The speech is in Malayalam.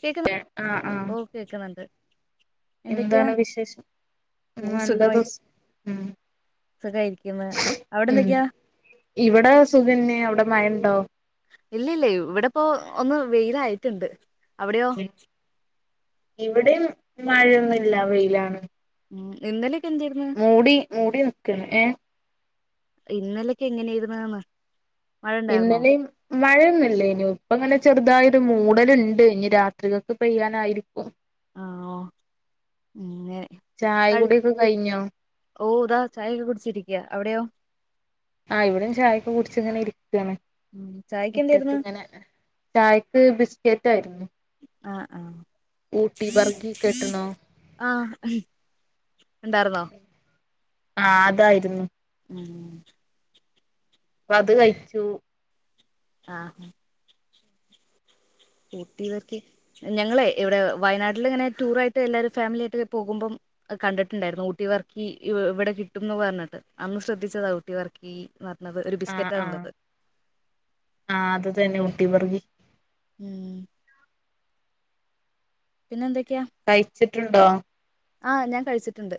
കേക്കുന്നു ആഹ് ആഹ് ഓ കേക്കുന്നുണ്ട് എന്തൊക്കെയാ എന്താണ് വിശേഷം ഓ നല്ലത് സുഖമായി ഉം സുഖായിരിക്കുന്നു അവിടെ ഉം എന്തൊക്കെയാ ഇവിടെ സുഖന്നേ അവിടെ മഴണ്ടോ ഇല്ലല്ല ഇവിടെപ്പോ ഒന്ന് വെയിലായിട്ടുണ്ട് അവിടെയോ ഇവിടെയും മഴയൊന്നുല്ല വെയിലാണ് എന്താണ് മൂടി മൂടി നിക്കന്നെ ഇന്നലൊക്കെ എങ്ങനെയിരുന്നെന്ന് ഇന്നലിം മഴയൊന്നുല്ലേയിനു, ഇപ്പ നല്ല ചെറുതായിഒരു മൂടലുണ്ടിനി രാത്രികൾക്ക് പെയ്യാനായിരിക്കും ആ ഓ ഉം, അങ്ങനെ കഴി ചായകൂടിയൊക്കെ കഴിഞ്ഞോ ഓ.. ഇതാ ചായയൊക്കെ കുടിച്ചിരിക്കയാഅവിടെയോ ആഹ് ഇവിടെയുംചായയൊക്കെ കുടിച്ചിങ്ങനെയിരിക്കയാണ് ഉം.. ചായ് മുറ്റത്തിങ്ങനെ ചായക്ക് ബിസ്കറ്റായിരുന്നു ആഹ്, ആഹ്, ബർഗി കേട്ട്ണോ ആഹ് ഉണ്ടായിരുന്നോ ആഹ്, അതായിരുന്നു ഉം അതുകഴിച്ചു ആഹ് ഊട്ടിബറക്കി ഞങ്ങളെ ഇവിടെ വയനാട്ടിലിങ്ങനെ ടൂറായിട്ട് എല്ലാവരും ഫാമിലിയായിട്ടു പോകുമ്പം കണ്ടിട്ടുണ്ടായിരുന്നു, ഊട്ടിവർഗിയിവിടെ കിട്ടൂന്നുപറഞ്ഞിട്ടന്ന് ശ്രദ്ധിച്ചതാ ഊട്ടി വർഗി ഈ പറഞ്ഞതൊരു ആഹ് ബിസ്ക്കറ്റാണുള്ളത് ആഹ് അതു തന്നെ ഊട്ടി വർഗി ഉം പിന്നെയെന്തൊക്കയാ കഴിച്ചിട്ടുണ്ടോ ആഹ് ഞാൻകഴിച്ചിട്ടുണ്ട്